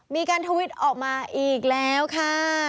ทวิตออกมาอีกแล้วค่ะ